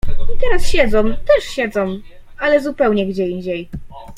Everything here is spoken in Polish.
I teraz siedzą. Też siedzą, ale zupełnie gdzie indziej.